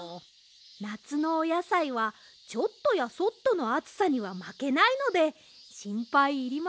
なつのおやさいはちょっとやそっとのあつさにはまけないのでしんぱいいりませんよ。